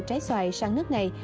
trái xoài sang nước này